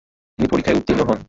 তিনি পরীক্ষায় উত্তীর্ণ হন।